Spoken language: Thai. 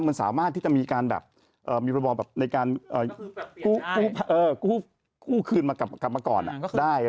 มันสามารถที่จะมีการแบบมีระบอบแบบในการกู้คืนมากลับมาก่อนได้